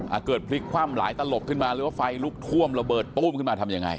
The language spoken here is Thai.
อ่ะเกิดพลิกคว่ำหลายตลบขึ้นมาหรือว่าไฟลุกท่วมระเบิดตู้มขึ้นมาทำยังไง